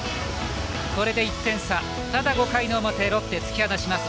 これで１点差、ただ５回の表ロッテ突き放します。